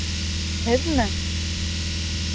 Һеҙме?